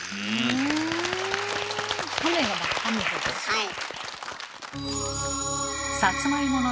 はい。